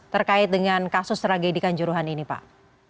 terkait dengan kasus tragedi kanjuruhan ini pak